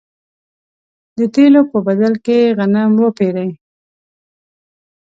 د تېلو په بدل کې غنم وپېري.